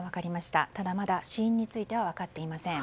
ただ、まだ死因については分かっていません。